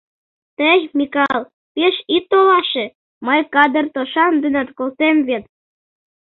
Тый, Микал, пеш ит толаше, мый кадыр тошан денат колтем вет...